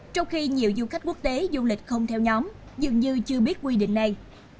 trong khi nhiều du khách quốc tế du lịch không theo nhóm dường như chưa biết quy định này